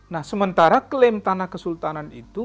nah sementara klaim tanah kesultanan itu